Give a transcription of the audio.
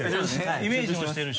イメージもしてるし。